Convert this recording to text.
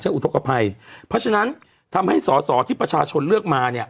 อุทธกภัยเพราะฉะนั้นทำให้สอสอที่ประชาชนเลือกมาเนี่ย